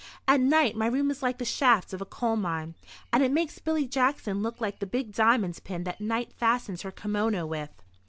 At night my room is like the shaft of a coal mine, and it makes Billy Jackson look like the big diamond pin that Night fastens her kimono with."